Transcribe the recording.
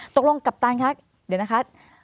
ตกลงกัปตันคะเดี๋ยวนะคะ